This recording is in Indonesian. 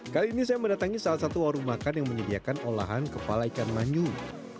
kali ini saya mendatangi salah satu warung makan yang menyediakan olahan kepala ikan manyung